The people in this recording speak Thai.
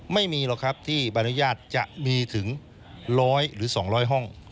ไม่มีหรอกครับที่ใบอนุญาตจะมีถึง๑๐๐หรือ๒๐๐ห้อง